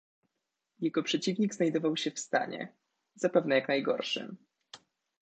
"Jego przeciwnik znajdował się w stanie, zapewne jak najgorszym."